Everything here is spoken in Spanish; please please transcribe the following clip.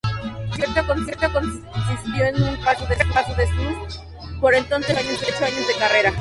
El concierto consistió un repaso de sus, por entonces, dieciocho años de carrera.